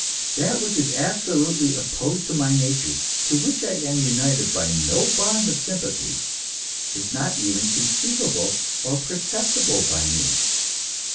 That which is absolutely opposed to my nature, to which I am united by no bond of sympathy, is not even conceivable or perceptible by me.